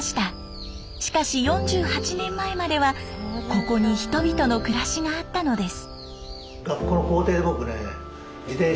しかし４８年前まではここに人々の暮らしがあったのです。